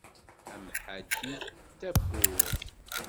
Amḥaddi d tabburt.